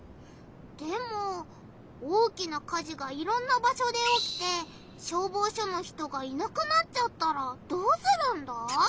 でも大きな火事がいろんな場しょでおきて消防署の人がいなくなっちゃったらどうするんだ？